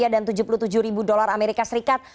dan rp tujuh puluh tujuh usd